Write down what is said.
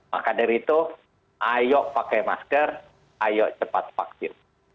maka dari itu ayo pakai masker ayo cepat vaksin